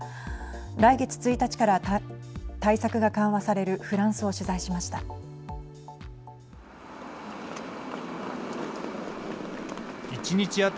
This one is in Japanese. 来月１日から対策が緩和されるフランスを取材しました。